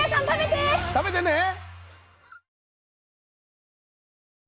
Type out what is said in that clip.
食べてね！